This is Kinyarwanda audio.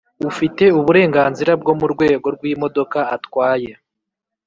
ufite uburenganzira bwo mu rwego rw'imodoka atwaye.